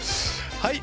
はい！